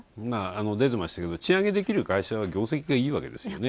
出てましたけど賃上げできる会社は業績がいいわけですよね。